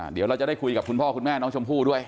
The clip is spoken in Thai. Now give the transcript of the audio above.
เดี๋ยวเราจะได้คุยกับคุณพ่อคุณแม่น้องชมพู่ด้วย